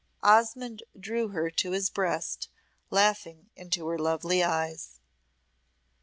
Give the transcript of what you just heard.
'" Osmonde drew her to his breast, laughing into her lovely eyes.